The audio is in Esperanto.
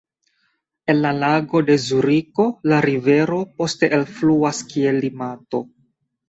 El la Lago de Zuriko la rivero poste elfluas kiel Limato.